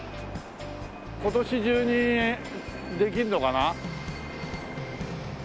今年中にできるのかな？